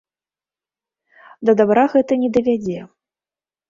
Да дабра гэта не давядзе.